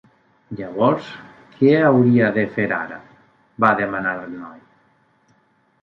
"Llavors què hauria de fer ara?", va demanar el noi.